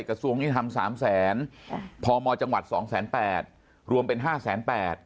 กระทรวงนี้ทำ๓แสนพมจังหวัด๒แสน๘รวมเป็น๕แสน๘